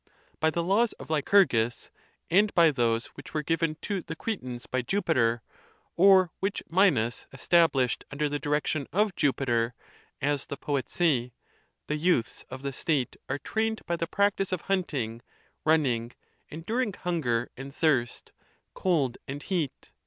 —By the laws of Lycurgus, and by those which were given to the Cretans by Jupiter, or which Minos established under the direction of Jupiter, as the poets say, the youths of the State are trained by the practice of hunting, running, enduring hunger and thirst, cold and heat.